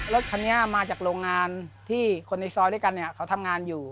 รถคันนี้มาจากโรงงานที่คนในซอยด้วยกันเนี่ยเขาทำงานอยู่